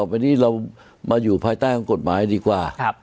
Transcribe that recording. วันนี้เรามาอยู่ภายใต้ของกฎหมายดีกว่า